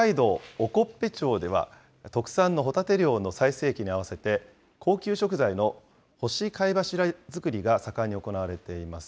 興部町では、特産のホタテ漁の最盛期に合わせて、高級食材の干し貝柱作りが盛んに行われています。